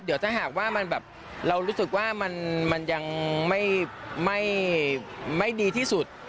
เดี๋ยวถ้าหากว่ามันแบบเรารู้สึกว่ามันยังไม่ดีที่สุด